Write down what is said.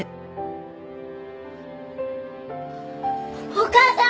お母さん！